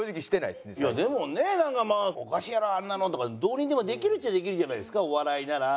いやでもねなんかまあ「おかしいやろあんなの！」とかどうにでもできるっちゃできるじゃないですかお笑いなら。